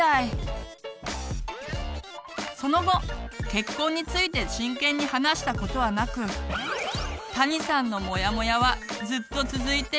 その後結婚について真剣に話したことはなくたにさんのモヤモヤはずっと続いているんだそう。